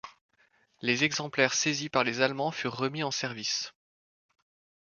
Les exemplaires saisis par les Allemands furent remis en service.